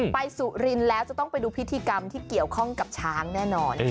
สุรินทร์แล้วจะต้องไปดูพิธีกรรมที่เกี่ยวข้องกับช้างแน่นอน